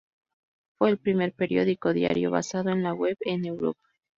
Fue el primer periódico diario basado en la web en Europa.